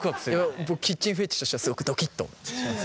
キッチンフェチとしてはすごくドキッとしますよね。